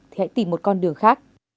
thì hãy tìm một con đường khác